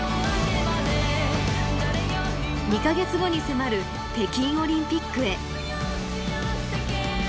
２か月後に迫る北京オリンピックへ。